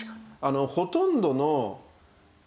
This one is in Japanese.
ほとんどの自称